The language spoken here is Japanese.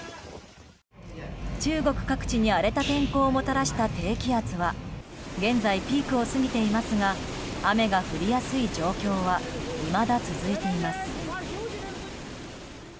中国各地に荒れた天候をもたらした低気圧は現在、ピークを過ぎていますが雨が降りやすい状況はいまだ続いています。